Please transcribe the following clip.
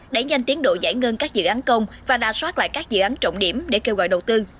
đẩy nhanh tiến độ giải ngân các dự án công và đa soát lại các dự án trọng điểm để kêu gọi đầu tư